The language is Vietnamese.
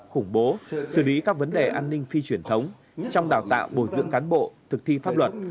khủng bố xử lý các vấn đề an ninh phi truyền thống trong đào tạo bồi dưỡng cán bộ thực thi pháp luật